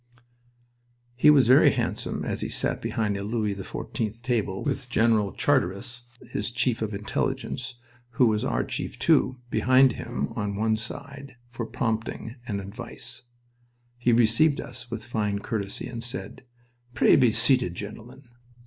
He was very handsome as he sat behind a Louis XIV table, with General Charteris his Chief of Intelligence, who was our chief, too behind him at one side, for prompting and advice. He received us with fine courtesy and said: "Pray be seated, gentlemen."